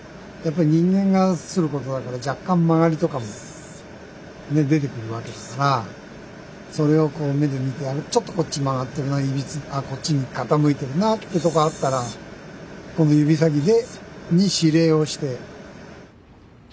やっぱり人間がすることだから若干曲がりとかも出てくるわけだからそれをこう目で見てちょっとこっち曲がってるなこっちに傾いてるなってとこあったら指先に指令をして。